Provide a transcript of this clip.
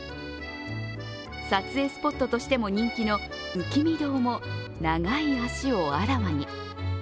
撮影スポットとしても人気の浮御堂も、長い足をあらわに。